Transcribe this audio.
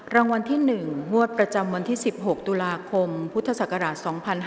รางวัลที่๑งวดประจำวันที่๑๖ตุลาคมพุทธศักราช๒๕๕๙